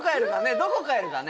どこ帰るかね？